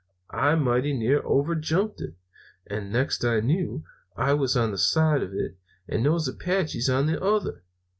I mighty near overjumped it; and the next I knew I was on one side of it and those Apaches on the other.